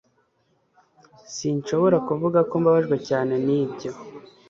Sinshobora kuvuga ko mbabajwe cyane nibyo